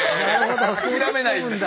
諦めないんですかね。